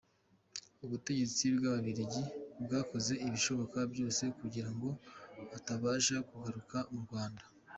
Ubutegetsi bw’ababirigi bwakoze ibishoboka byose kugira ngo atabasha kugaruka mu Rwanda.